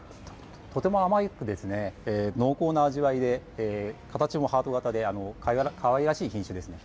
とても甘くて濃厚な味わいで形もハート形でかわいらしい品種です。